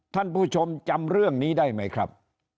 ท่านผู้ชมจำเรื่องนี้ได้ไหมครับ